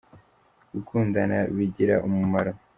Gukundana bigira umumaro.